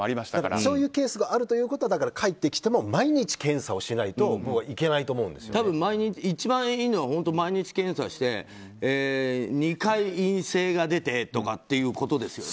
そういうケースがあるので帰ってきても毎日、検査を一番いいのは毎日検査して２回、陰性が出てとかということですよね。